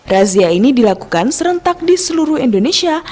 razia ini dilakukan serentak di seluruh indonesia